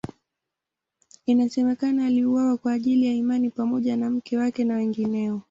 Inasemekana aliuawa kwa ajili ya imani pamoja na mke wake na wengineo.